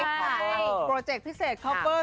ใช่โปรเจกตร์พิเศษข้อเบอร์๒๐๒๓